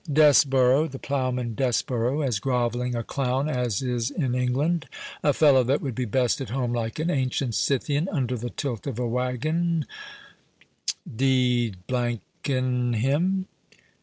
"Desborough—the ploughman Desborough—as grovelling a clown as is in England—a fellow that would be best at home like an ancient Scythian, under the tilt of a waggon—d—n him.